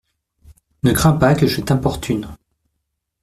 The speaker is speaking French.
Ne crains pas que je t'importune.